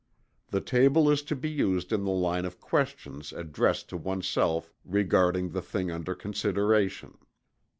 The table is to be used in the line of questions addressed to oneself regarding the thing under consideration.